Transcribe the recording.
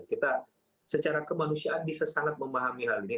kita secara kemanusiaan bisa sangat memahami hal ini